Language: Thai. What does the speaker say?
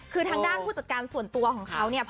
คือทางด้านผู้จัดการส่วนตัวของเขาเนี่ย